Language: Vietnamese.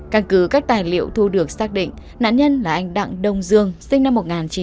căn cứ các tài liệu thu được xác định nạn nhân là anh đặng đông dương sinh năm một nghìn chín trăm tám mươi